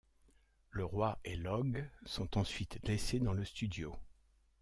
Le roi et Logue sont ensuite laissés dans le studio.